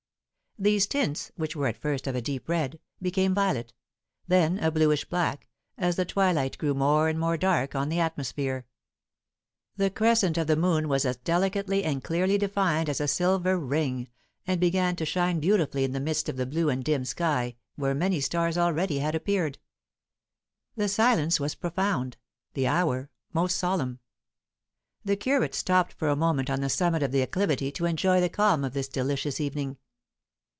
These tints, which were at first of a deep red, became violet; then a bluish black, as the twilight grew more and more dark on the atmosphere. The crescent of the moon was as delicately and clearly defined as a silver ring, and began to shine beautifully in the midst of the blue and dimmed sky, where many stars already had appeared. The silence was profound; the hour most solemn. The curate stopped for a moment on the summit of the acclivity to enjoy the calm of this delicious evening.